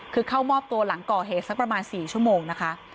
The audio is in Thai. คือเข้ามอบตัวหลังก่อเหตุสักประมาณ๔ชั่วโมงนะคะ